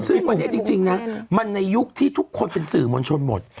ซึ่งวันนี้จริงนะมันในยุคที่ทุกคนเป็นสื่อมวลชนหมด